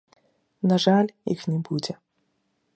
На жаль, іх не будзе.